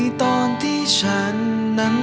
ตอนที่ฉันนั้น